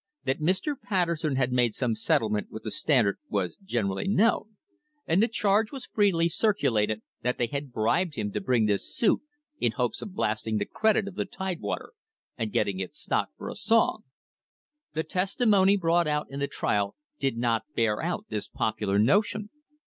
That Mr. Patterson had made some settlement with the Standard was generally known, and the charge was freely circulated that they had bribed him to bring this suit in hopes of blast ing the credit of the Tidewater and getting its stock for a song. The testimony brought out in the trial did not bear out this popular notion.